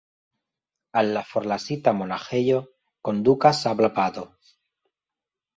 Al la forlasita monaĥejo kondukas sabla pado.